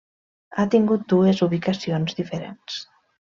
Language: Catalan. Ha tingut dues ubicacions diferents.